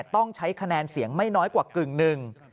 ต้องใช้คะแนนเสียงไม่น้อยกว่ากึ่งหนึ่ง